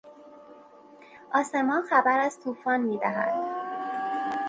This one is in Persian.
آسمان خبر از توفان میدهد.